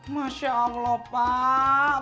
masya allah pak